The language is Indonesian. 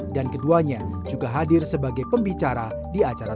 dan keduanya juga hadir sebagai pembicara diadakan